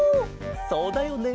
そうだよね